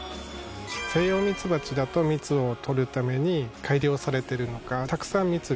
セイヨウミツバチだと蜜をとるために改良されてるのかたくさん蜜がとれるんですよ。